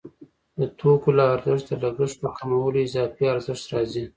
د توکو له ارزښت د لګښت په کمولو اضافي ارزښت راځي